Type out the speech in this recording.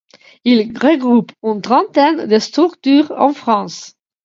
Il regroupe une trentaine de structures en France.